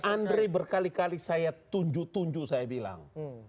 ini andre berkali kali saya tunju tunju saya bilang